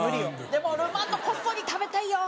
でもルマンドこっそり食べたいよ。